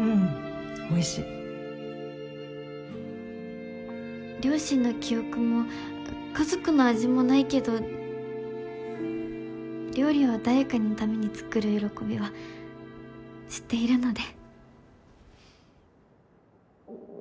うんおいしい両親の記憶も家族の味もないけど料理を誰かのために作る喜びは知っているので。